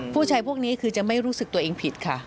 พวกนี้คือจะไม่รู้สึกตัวเองผิดค่ะ